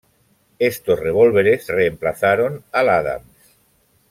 Estos revólveres reemplazaron al Adams.